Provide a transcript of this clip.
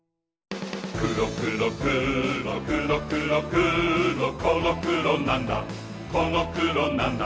くろくろくろくろくろくろこのくろなんだこのくろなんだ